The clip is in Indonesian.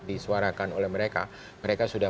disuarakan oleh mereka mereka sudah